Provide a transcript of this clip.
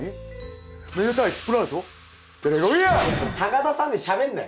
田さんでしゃべんなよ。